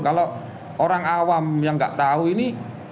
kalau orang awam yang nggak tahu ini